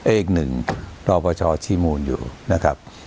อีกหนึ่งนปชชี้มูลอยู่นะครับ